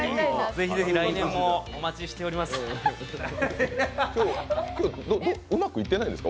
ぜひぜひ来年もお待ちしております。